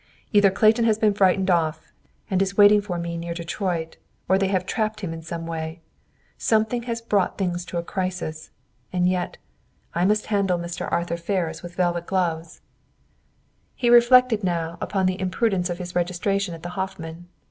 "Either Clayton has been frightened off, and is waiting for me near Detroit, or they have trapped him in some way. Something has brought things to a crisis. And yet, I must handle Mr. Arthur Ferris with velvet gloves!" He reflected now upon the imprudence of his registration at the Hoffman.